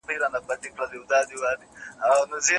ملاجان ته پته نه وه چي د چا سي